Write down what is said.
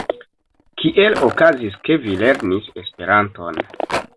Kiel okazis, ke vi lernis Esperanton?